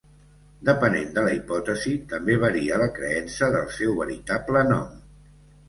Depenent de la hipòtesi, també varia la creença del seu veritable nom.